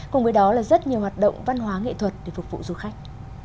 cùng với đó là rất nhiều hoạt động văn hóa nghệ thuật để phục vụ du khách